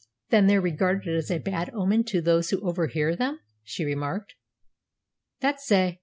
"Then they're regarded as a bad omen to those who overhear them?" she remarked. "That's sae.